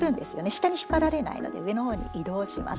下に引っ張られないので上のほうに移動します。